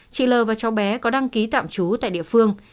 chị l và cháu bé có đăng ký tạm trú tại địa phương